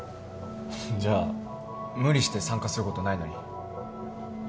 じゃあ無理して参加することないのに。